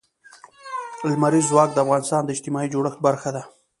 لمریز ځواک د افغانستان د اجتماعي جوړښت برخه ده.